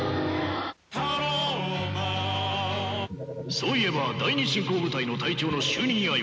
そういえば第二侵攻部隊の隊長の就任祝いを。